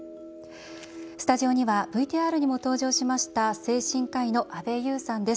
スタジオにはＶＴＲにも登場しました精神科医の阿部裕さんです。